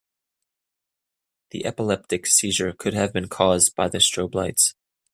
The epileptic seizure could have been cause by the strobe lights.